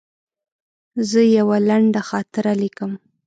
زه یوه لنډه خاطره لیکم.